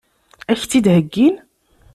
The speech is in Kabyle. Ad k-tt-id-heggin?